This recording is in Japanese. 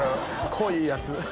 濃いやつ。